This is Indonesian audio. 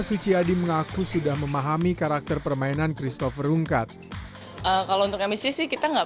suciadi mengaku sudah memahami karakter permainan christopher rungkat kalau untuk msc sih kita nggak